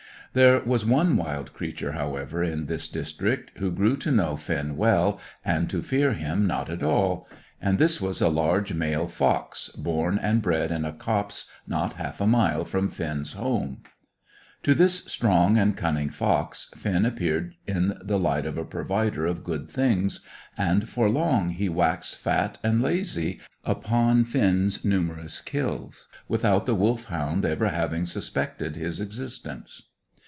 There was one wild creature, however, in this district, who grew to know Finn well, and to fear him not at all; and this was a large male fox, born and bred in a copse not half a mile from Finn's home. To this strong and cunning fox, Finn appeared in the light of a provider of good things, and for long he waxed fat and lazy upon Finn's numerous kills, without the Wolfhound ever having suspected his existence.